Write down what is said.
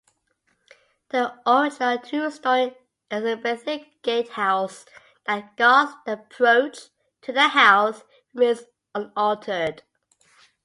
The original two-storey Elizabethan gatehouse that guards the approach to the house remains unaltered.